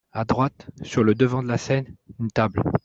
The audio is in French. À droite, sur le devant de la scène, une table.